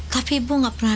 tapi ibu gak pernah